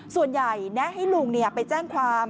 ส่วนใหญ่แนะให้ลุงไปแจ้งความ